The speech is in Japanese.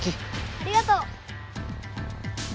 ありがとう！